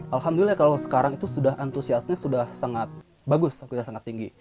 alhamdulillah kalau sekarang itu sudah antusiasnya sudah sangat bagus aktivitas sangat tinggi